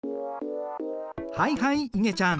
はいはいいげちゃん。